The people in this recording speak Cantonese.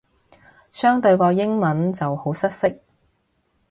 相對個英文就好失色